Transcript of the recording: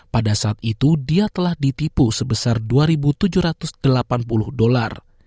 pada saat itu dia telah ditipu sebesar dua tujuh ratus delapan puluh dolar